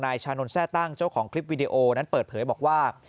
ชานนทแทร่ตั้งเจ้าของคลิปวิดีโอนั้นเปิดเผยบอกว่า